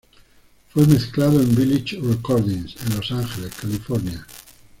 Fue mezclado en Village Recordings, en Los Ángeles, California.